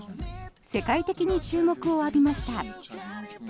世界的に注目を浴びました。